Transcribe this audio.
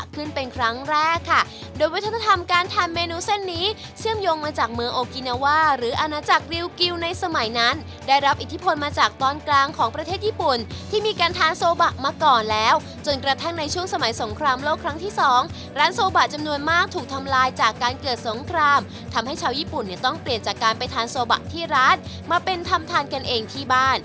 ขึ้นเป็นครั้งแรกค่ะโดยวัฒนธรรมการทานเมนูเส้นนี้เชื่อมโยงมาจากเมืองโอกินาว่าหรืออาณาจักรริวกิวในสมัยนั้นได้รับอิทธิพลมาจากตอนกลางของประเทศญี่ปุ่นที่มีการทานโซบะมาก่อนแล้วจนกระทั่งในช่วงสมัยสงครามโลกครั้งที่สองร้านโซบะจำนวนมากถูกทำลายจากการเกิดสงครามทำให้ชาวญี่ปุ่นเนี่ยต้องเปลี่ยนจากการไปทานโซบะที่ร้านมาเป็นทำทานกันเองที่บ้าน